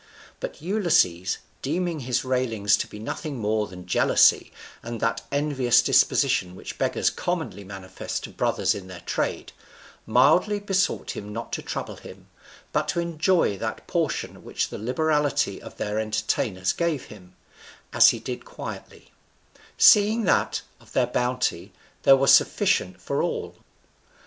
But Ulysses, deeming his railings to be nothing more than jealousy and that envious disposition which beggars commonly manifest to brothers in their trade, mildly besought him not to trouble him, but to enjoy that portion which the liberality of their entertainers gave him, as he did quietly; seeing that, of their bounty, there was sufficient for all.